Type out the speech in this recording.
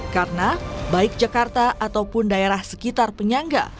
karena baik jakarta ataupun daerah sekitar penyangga